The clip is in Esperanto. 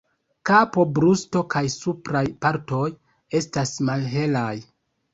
Kapo, brusto kaj supraj partoj estas malhelaj.